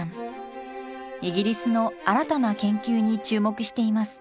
イギリスの新たな研究に注目しています。